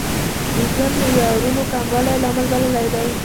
د ژوند معیارونو کموالی لامل بللی دی.